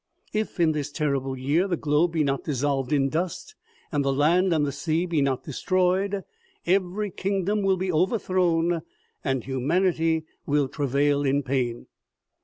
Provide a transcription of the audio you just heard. If in this terrible year the globe be not dissolved in dust, and the land and the sea be not destroyed, every kingdom will be overthrown and humanity will travail in pain."